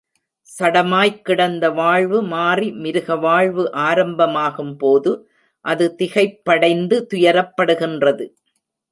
சடமாய்க் கிடந்த வாழ்வு மாறி மிருக வாழ்வு ஆரம்பமாகும் போது, அது திகைப்படைந்து துயரப்படுகின்றது.